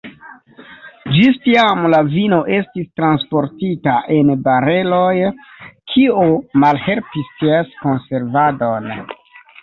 Ĝis tiam la vino estis transportita en bareloj, kio malhelpis ties konservadon.